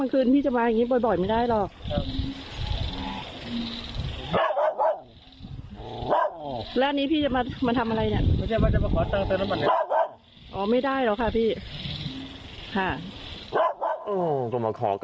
ก็มาขอกันเด้ออย่างนี้เลยเนาะ